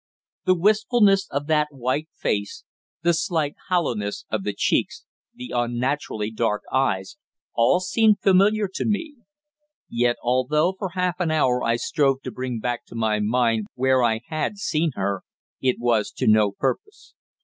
The wistfulness of that white face, the slight hollowness of the cheeks, the unnaturally dark eyes, all seemed familiar to me; yet although for half an hour I strove to bring back to my mind where I had seen her, it was to no purpose.